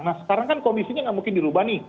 nah sekarang kan komisinya gak mungkin dirubah nih